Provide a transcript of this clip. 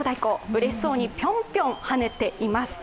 うれしそうにぴょんぴょん跳ねています。